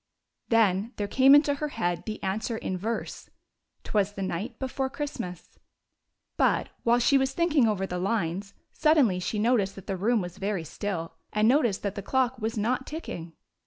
Then there came into her head the answer in verse :" 'T was the night before Christmas." But, while she was thinking over the lines, suddenly she noticed that the room was very still, and noticed that the clock was not ticking.